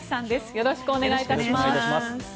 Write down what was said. よろしくお願いします。